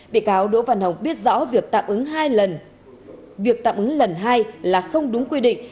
bị cáo đỗ văn hồng biết rõ việc tạm ứng lần hai là không đúng quy định